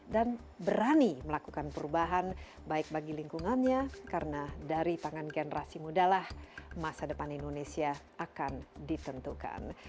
berani melakukan perubahan baik bagi lingkungannya karena dari tangan generasi mudalah masa depan indonesia akan ditentukan